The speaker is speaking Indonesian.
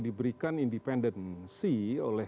diberikan independensi oleh